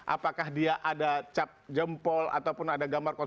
apakah dia ada cap jempol ataupun ada gambar